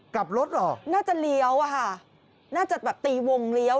กลับรถเหรอน่าจะเลี้ยวน่าจะตีวงเลี้ยว